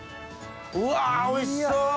うわおいしそう！